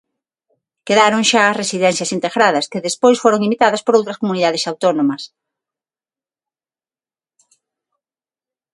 Quedaron xa as residencias integradas, que despois foron imitadas por outras comunidades autónomas.